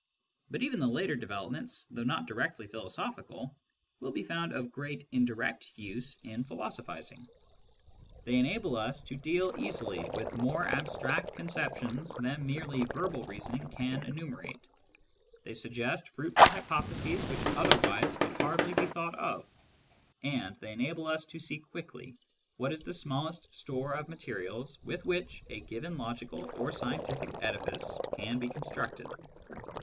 But even the later developments, though not directly philosophical, will be found of great indirect use in philosophising. They enable us to deal easily with more abstract conceptions than merely verbal reasoning can enumerate ; they suggest fruitful hypotheses which otherwise could hardly be thought of ; and they enable us to see quickly what is the smallest store of materials with which a given logical or scientific edifice can be constructed.